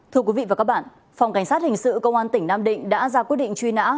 thưa quý vị và các bạn phòng cảnh sát hình sự công an tỉnh nam định đã ra quyết định truy nã